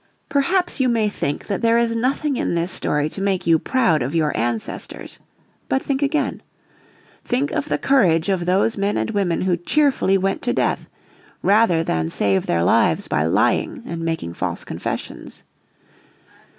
Perhaps you may think that there is nothing in this story to make you proud of your ancestors. But think again. Think of the courage of those men and women who cheerfully went to death rather than save their lives by lying and making false confessions.